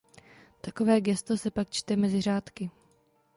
Takové gesto se pak „čte mezi řádky“.